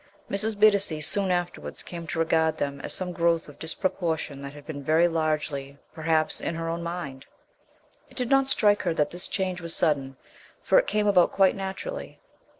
Mrs. Bittacy soon afterwards came to regard them as some growth of disproportion that had been very largely, perhaps, in her own mind. It did not strike her that this change was sudden for it came about quite naturally.